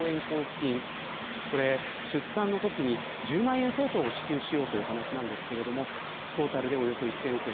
出産のときに１０万円相当を支給しようという話ですがトータルでおよそ１０００億円。